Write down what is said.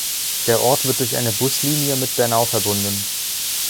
Der Ort wird durch eine Buslinie mit Bernau verbunden.